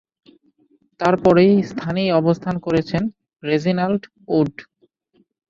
তার পরের স্থানেই অবস্থান করছেন রেজিনাল্ড উড।